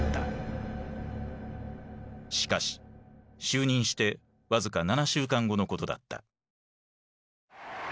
しかし就任して僅か７週間後のことだった。